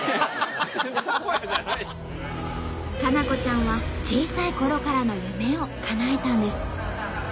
佳菜子ちゃんは小さいころからの夢をかなえたんです。